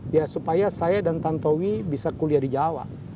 ya supaya saya dan tantowi bisa kuliah di jawa